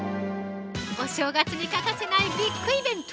お正月に欠かせないビッグイベント！